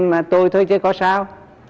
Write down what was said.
mà tôi thôi chứ có sao